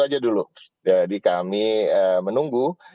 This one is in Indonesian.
aja dulu jadi kami menunggu